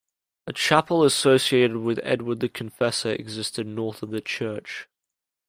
A chapel associated with Edward the Confessor existed north of the church.